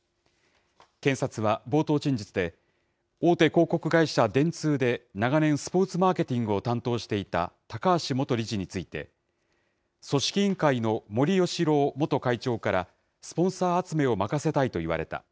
検察は冒頭陳述で、大手広告会社、電通で長年、スポーツマーケティングを担当していた高橋元理事について、組織委員会の森喜朗元会長から、スポンサー集めを任せたいと言われた。